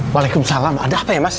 waalaikumsalam ada apa ya mas